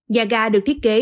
nhà gà được thiết kế